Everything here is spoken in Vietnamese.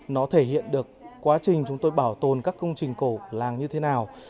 nó thể hiện được quá trình chúng tôi bảo tồn các công trình cổ làng như thế nào